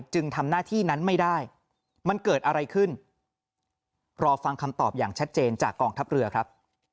จึงทำหน้าที่นั้นไม่ได้มันเกิดอะไรขึ้นรอฟังคำตอบอย่างชัดเจนจากกองทัพเรือครับ